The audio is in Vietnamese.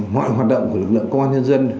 mọi hoạt động của lực lượng công an nhân dân